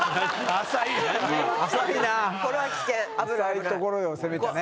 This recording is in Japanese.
浅いところを攻めたね。